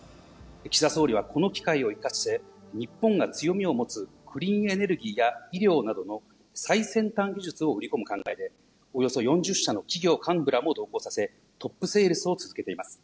岸田総理はこの機会を生かして、日本が強みを持つクリーンエネルギーや医療などの最先端技術を売り込む考えで、およそ４０社の企業幹部らも同行させ、トップセールスを続けています。